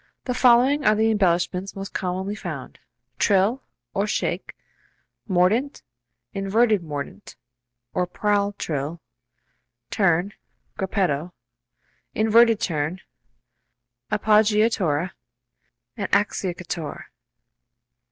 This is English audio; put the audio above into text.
The following are the embellishments most commonly found: Trill (or shake), mordent, inverted mordent (or prall trill), turn (gruppetto), inverted turn, appoggiatura and acciaccatura.